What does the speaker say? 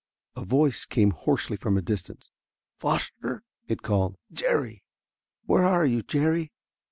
A voice came hoarsely from a distance. "Foster," it called. "Jerry where are you, Jerry?"